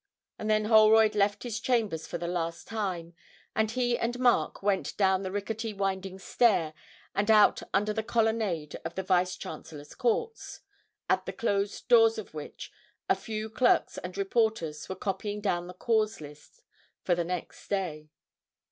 And then Holroyd left his chambers for the last time, and he and Mark went down the rickety winding stair, and out under the colonnade of the Vice Chancellors' courts, at the closed doors of which a few clerks and reporters were copying down the cause list for the next day.